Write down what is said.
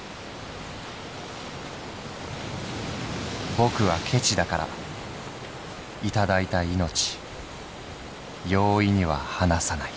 「ぼくはケチだから戴いた命容易には離さない」。